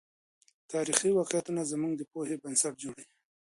تاريخي واقعيتونه زموږ د پوهې بنسټ جوړوي.